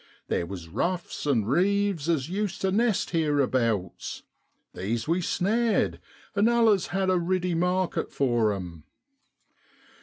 There was ruffs an' reeves as used to nest hereabouts these we snared, and allus had a riddy market for 'em.